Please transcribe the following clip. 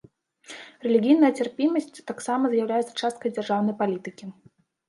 Рэлігійная цярпімасць таксама з'яўляецца часткай дзяржаўнай палітыкі.